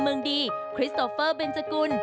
เมืองดีคริสโตเฟอร์เบนจกุล